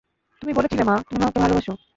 তুমি বলেছিলে না, তুমি আমাকে ভালবাসো।